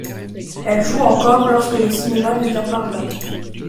Elle joue encore lorsque le cinéma devient parlant.